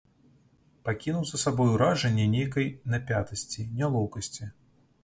Пакінуў за сабою ўражанне нейкай напятасці, нялоўкасці.